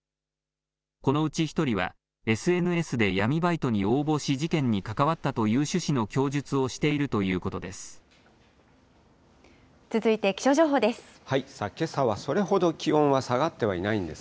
このうち１人は、ＳＮＳで闇バイトに応募し、事件に関わったという趣旨の供述をしているということです。